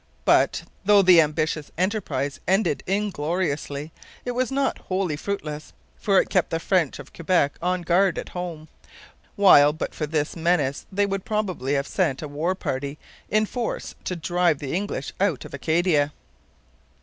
But, though the ambitious enterprise ended ingloriously, it was not wholly fruitless, for it kept the French of Quebec on guard at home; while but for this menace they would probably have sent a war party in force to drive the English out of Acadia.